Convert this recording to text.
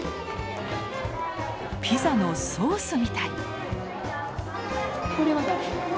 ピザのソースみたい！